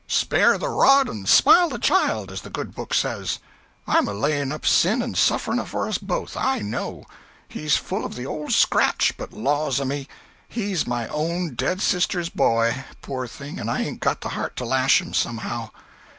Spare the rod and spile the child, as the Good Book says. I'm a laying up sin and suffering for us both, I know. He's full of the Old Scratch, but laws a me! he's my own dead sister's boy, poor thing, and I ain't got the heart to lash him, somehow.